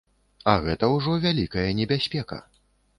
А гэта ўжо вялікая небяспека.